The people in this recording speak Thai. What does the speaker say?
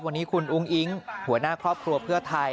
วันนี้คุณอุ้งอิ๊งหัวหน้าที่กรุงเทพเห็นผลงานของพักแล้ว